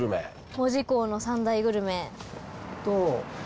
門司港の３大グルメ。